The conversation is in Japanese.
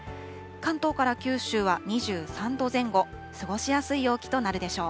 関東から九州は２３度前後、過ごしやすい陽気となるでしょう。